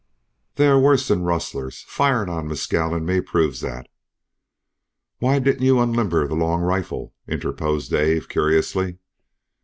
"They are worse than rustlers; firing on Mescal and me proves that." "Why didn't you unlimber the long rifle?" interposed Dave, curiously.